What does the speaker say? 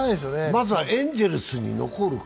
まずはエンゼルスに残るか？